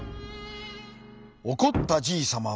おこったじいさま